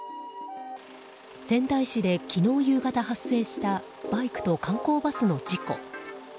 仙台市で昨日夕方発生したバイクと観光バスの事故。